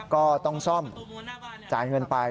ก็ต้องซ่อมจ่ายเงินไป